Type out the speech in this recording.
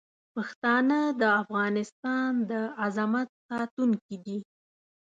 پښتانه د افغانستان د عظمت ساتونکي دي.